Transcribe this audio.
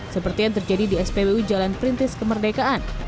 seperti yang terjadi di spbu jalan perintis kemerdekaan